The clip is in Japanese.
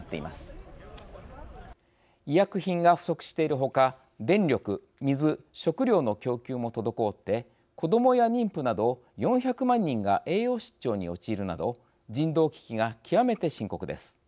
医薬品が不足している他電力水食料の供給も滞って子どもや妊婦など４００万人が栄養失調に陥るなど人道危機が極めて深刻です。